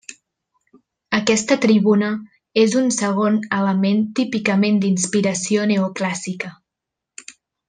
Aquesta tribuna és un segon element típicament d'inspiració neoclàssica.